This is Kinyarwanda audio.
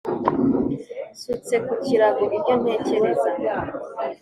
Nsutse ku kirago ibyo ntekereza